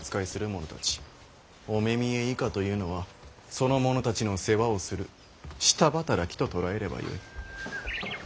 御目見以下というのはその者たちの世話をする下働きと捉えればよい。